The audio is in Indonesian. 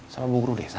sama bu guru desa